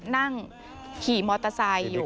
นั่งขี่มอเตอร์ไซค์อยู่